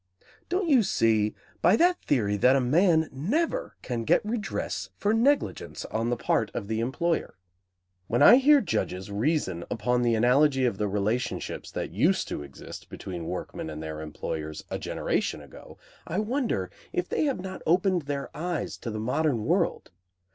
Don't you see by that theory that a man never can get redress for negligence on the part of the employer? When I hear judges reason upon the analogy of the relationships that used to exist between workmen and their employers a generation ago, I wonder if they have not opened their eyes to the modern world.